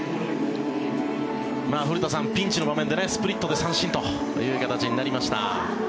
古田さん、ピンチの場面でスプリットで三振という形になりました。